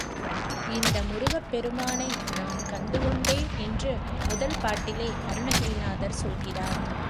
இந்த முருகப் பெருமானை நான் கண்டு கொண்டேன் என்று முதல் பாட்டிலே அருணகிரிநாதர் சொல்கிறார்.